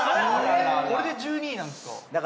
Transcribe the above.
これで１２位なんすか？